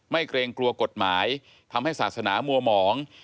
เกรงกลัวกฎหมายทำให้ศาสนามัวหมอง